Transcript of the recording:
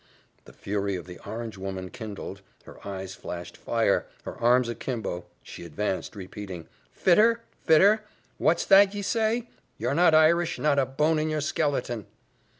The fury of the orange woman kindled her eyes flashed fire her arms a kimbo, she advanced repeating, "Fitter! Fitter! What's that ye say? You're not Irish not a bone in your skeleton!"